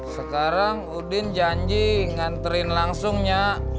sekarang udin janji ngantarin langsung nya